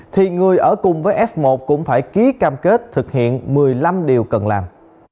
thì người ở cùng với f một cũng phải ký cam kết thực hiện một mươi năm điều cần làm